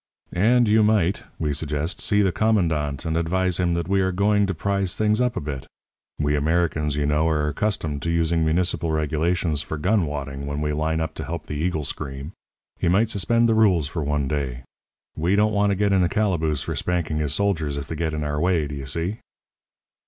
"'And you might,' we suggest 'see the commandante and advise him that we are going to prize things up a bit. We Americans, you know, are accustomed to using municipal regulations for gun wadding when we line up to help the eagle scream. He might suspend the rules for one day. We don't want to get in the calaboose for spanking his soldiers if they get in our way, do you see?'